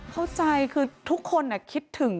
เข้าใจคือทุกคนคิดถึง